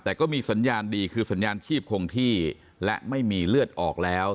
แต่ก็มีสัญญาณดีคือสัญญาณชีพคงที่และไม่มีเลือดออกแล้ว